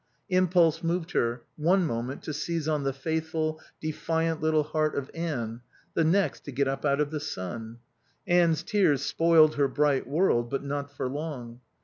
Impulse moved her, one moment, to seize on the faithful, defiant little heart of Anne, the next, to get up out of the sun. Anne's tears spoiled her bright world; but not for long.